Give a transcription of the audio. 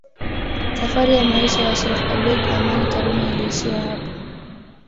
Safari ya maisha ya sheikh Abeid Aman Karume iliishia hapo